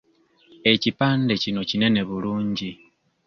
Ekipande kino kinene bulungi.